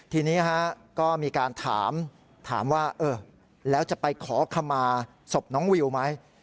ทีนี้ก็มีการถามถามว่าเออแล้วจะไปขอขมาศพน้องวิวไหม